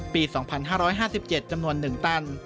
ปี๒๕๕๗จำนวน๑ตัน